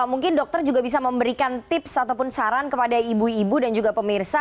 mungkin dokter juga bisa memberikan tips ataupun saran kepada ibu ibu dan juga pemirsa